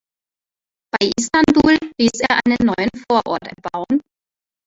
Bei Istanbul ließ er einen neuen Vorort erbauen.